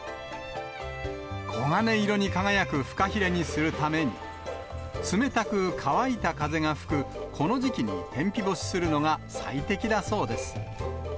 黄金色に輝くフカヒレにするために、冷たく乾いた風が吹くこの時期に天日干しするのが最適だそうです。